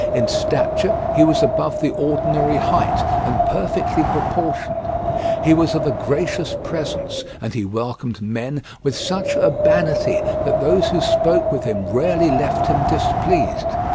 In stature he was above the ordinary height, and perfectly proportioned. He was of a gracious presence, and he welcomed men with such urbanity that those who spoke with him rarely left him displeased.